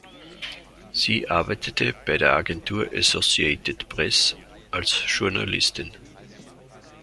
Sie arbeitete bei der Agentur Associated Press als Journalistin.